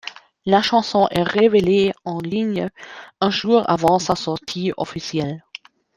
La chanson est révélée en ligne un jour avant sa sortie officielle.